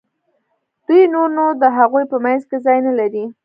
دوی نور نو د هغوی په منځ کې ځای نه لري.